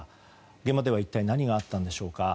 現場では一体何があったんでしょうか。